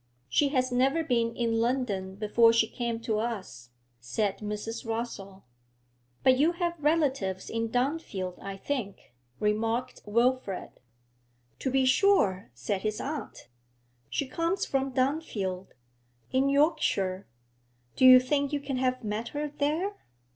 'She has never been in London before she came to us,' said Mrs. Rossall. 'But you have relatives in Dunfield, I think?' remarked Wilfrid. 'To be sure,' said his aunt; 'she comes from Dunfield, in Yorkshire. Do you think you can have met her there?'